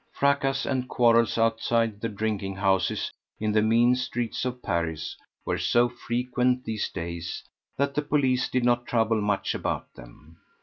Fracas and quarrels outside the drinking houses in the mean streets of Paris were so frequent these days that the police did not trouble much about them.